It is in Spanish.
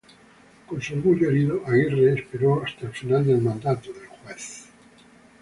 Con su orgullo herido, Aguirre esperó hasta el final del mandato del juez.